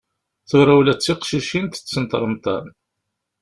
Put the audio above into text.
Tura ula d tiqcicin tettent remḍan.